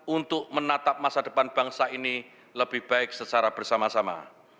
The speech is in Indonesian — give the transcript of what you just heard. untuk menatap masa depan bangsa ini lebih baik secara bersama sama